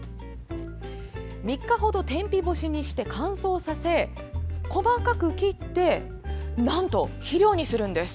３日ほど天日干しにして乾燥させ細かく切ってなんと肥料にするんです。